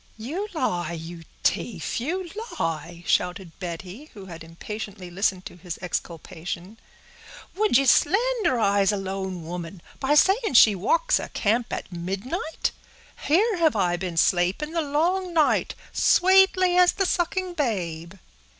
"You lie, you t'ief—you lie!" shouted Betty, who had impatiently listened to his exculpation. "Would ye slanderize a lone woman, by saying she walks a camp at midnight? Here have I been slaping the long night, swaatly as the sucking babe."